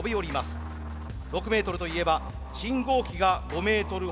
６ｍといえば信号機が５ｍほど。